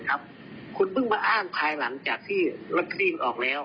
แล้วคุณมาบอกพลายหลังตอนจากหม่วยกันออกแล้ว